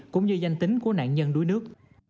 cũng như danh tính của nạn nhân đuối nước